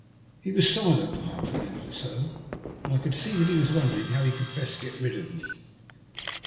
He was silent for half a minute or so, and I could see that he was wondering how he could best get rid of me.